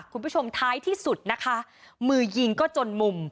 คุณผู้ชมท้ายที่สุดนะคะมือยิงก็จนมุม